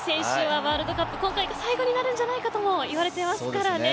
メッシ選手はワールドカップ今回が最後になるんじゃないかともいわれてますからね。